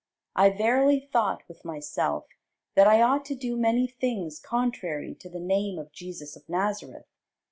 I verily thought with myself, that I ought to do many things contrary to the name of Jesus of Nazareth.